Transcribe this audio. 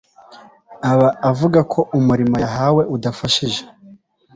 aba avuga ko umurimo yahawe udafashije